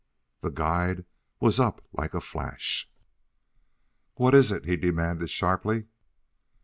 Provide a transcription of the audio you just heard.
The guide was up like a flash. "What is it?" he demanded sharply.